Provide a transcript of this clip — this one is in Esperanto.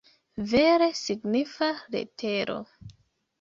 Vere signifa letero!